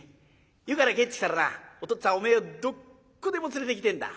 湯から帰ってきたらなお父っつぁんおめえをどっこでも連れていきてえんだ。